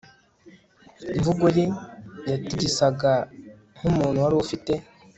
imvugo ye. yatigisaga nk'umuntu wari ufite